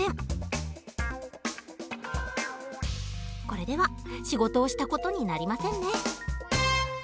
これでは仕事をした事になりませんね。